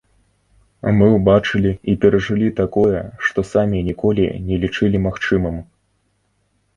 Мы ўбачылі і перажылі такое, што самі ніколі не лічылі магчымым.